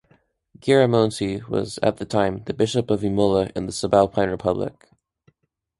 Chiaramonti was, at the time, the bishop of Imola in the Subalpine Republic.